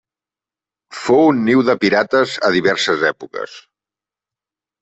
Fou un niu de pirates a diverses èpoques.